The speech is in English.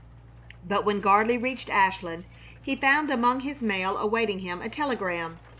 But when Gardley reached Ashland he found among his mail awaiting him a telegram.